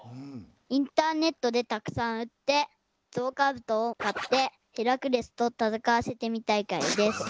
インターネットでたくさんうってゾウカブトをかってヘラクレスと戦わせてみたいからです。